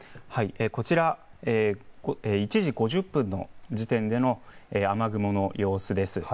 １時５０分の時点での雨雲の様子です。